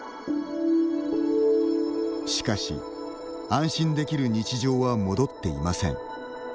しかし、安心できる日常は戻っていません。